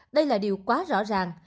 đây là điều quá rõ ràng